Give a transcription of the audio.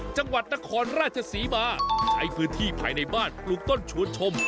จังหวัดนครราชศรีมาใช้พื้นที่ภายในบ้านปลูกต้นชวนชม